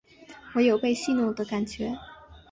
我有被戏弄的感觉